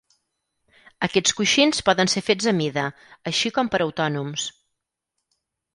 Aquests coixins poden ser fets a mida, així com per autònoms.